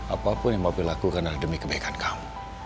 apapun yang mau lakukan adalah demi kebaikan kamu